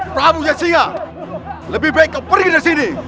pramu yasya lebih baik kau pergi dari sini